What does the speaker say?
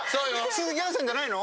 鈴木杏樹さんじゃないの？